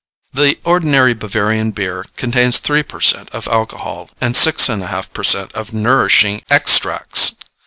The ordinary Bavarian beer contains three per cent. of alcohol and six and a half per cent. of nourishing extracts.